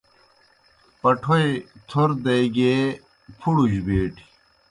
پَٹَھوئی تھور دے گیے پُھڑُوْ جیْ بیٹیْ۔